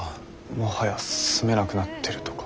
もはや住めなくなってるとか。